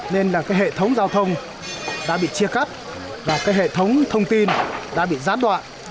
nên là cái hệ thống giao thông đã bị chia cắt và cái hệ thống thông tin đã bị gián đoạn